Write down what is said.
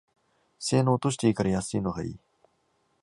性能落としていいから安いのがいい